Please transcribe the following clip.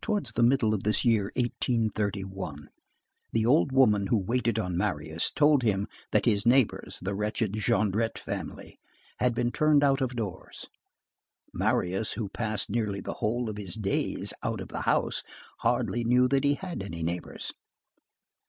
Towards the middle of this year 1831, the old woman who waited on Marius told him that his neighbors, the wretched Jondrette family, had been turned out of doors. Marius, who passed nearly the whole of his days out of the house, hardly knew that he had any neighbors.